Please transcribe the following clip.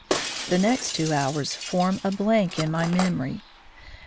The next two hours form a blank in my memory.